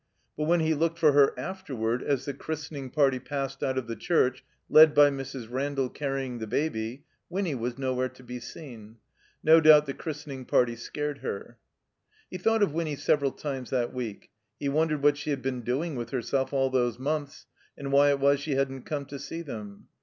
But when he looked for her afterward as the christening party passed out of the church, led by Mrs. Randall carrying the Baby, Winny was nowhere to be seen. No doubt the christening party scared her. He thought of Winny several times that week. He wondered what she had been doing with herself all those months, and why it was she hadn't come to see them.